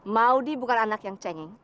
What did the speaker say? maudie bukan anak yang cengeng